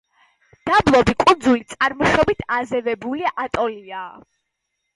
დაბლობი კუნძული, წარმოშობით აზევებული ატოლია.